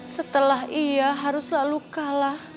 setelah ia harus selalu kalah